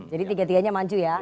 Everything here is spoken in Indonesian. jadi tiga tiganya maju ya